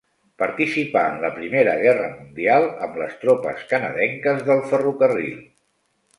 Participà en la Primera Guerra Mundial amb les tropes canadenques del ferrocarril.